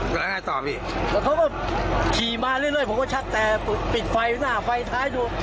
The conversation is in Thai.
เขาก็ขี่มาเรื่อยเรื่อยผมก็ชักแต่ปิดไฟหน้าไฟท้ายดู